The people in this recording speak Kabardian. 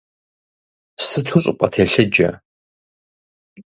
Сыту щӀыпӀэ телъыджэ!